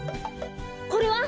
これは？